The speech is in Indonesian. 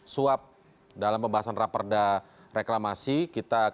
supaya masyarakat berusaha dekat tidak payah